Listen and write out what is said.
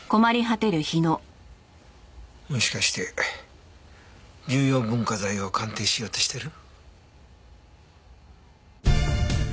もしかして重要文化財を鑑定しようとしてる？